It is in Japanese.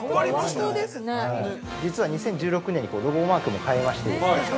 ◆実は２０１６年にロゴマークも変えましてですね。